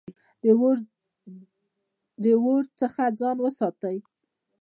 د اور څخه ځان وساتئ